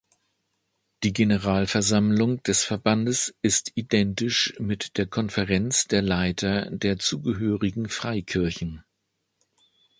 Die Generalversammlung des Verbandes ist identisch mit der Konferenz der Leiter der zugehörigen Freikirchen.